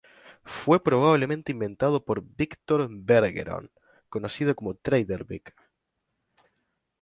Fue probablemente inventado por Victor Bergeron, conocido como Trader Vic.